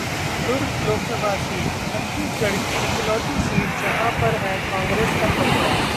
दुर्ग Lok Sabha seat: Chhattisgarh की इकलौती seat जहां पर है कांग्रेस का कब्जा